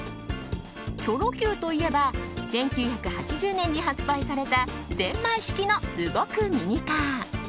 チョロＱといえば１９８０年に発売されたぜんまい式の動くミニカー。